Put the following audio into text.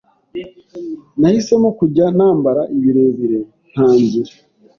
Nahisemo kujya nambara ibirebire ntangira